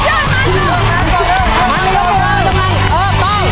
จะถูกแทนด้วยตัวรูปสัตว์ต่างพอคุ้นไหม